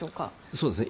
そうですね。